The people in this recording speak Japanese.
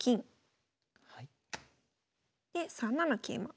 で３七桂馬。